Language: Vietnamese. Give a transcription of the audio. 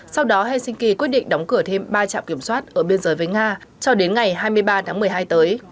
sau đó helsinki quyết định đóng cửa thêm ba trạm kiểm soát ở biên giới với nga cho đến ngày hai mươi ba tháng một mươi hai tới